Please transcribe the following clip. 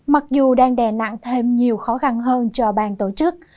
mặc dù đang đè nặng thêm nhiều khó khăn hơn cho bang tổ chức